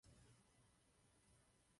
Letiště je totiž i v Guantánamu.